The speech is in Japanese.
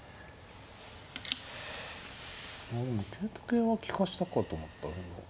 まあでも桂と桂は利かしたかと思ったでも。